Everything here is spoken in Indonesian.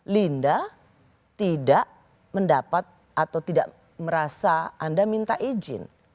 linda tidak mendapat atau tidak merasa anda minta izin